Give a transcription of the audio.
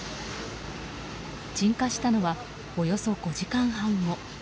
鎮火したのは、およそ５時間半後。